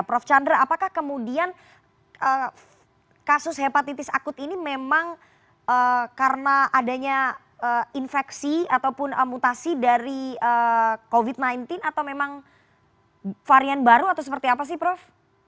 prof chandra apakah kemudian kasus hepatitis akut ini memang karena adanya infeksi ataupun mutasi dari covid sembilan belas atau memang varian baru atau seperti apa sih prof